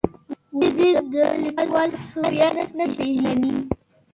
مدیر د لیکوال هویت نه پیژني.